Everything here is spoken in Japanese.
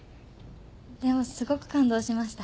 でもすごく感動しました。